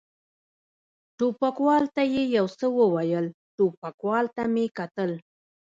ټوپکوال ته یې یو څه وویل، ټوپکوال ته مې کتل.